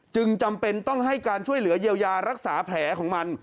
จำเป็นต้องให้การช่วยเหลือเยียวยารักษาแผลของมัน